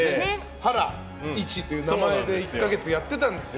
ハラ、イチという名前で１か月やってたんですよ。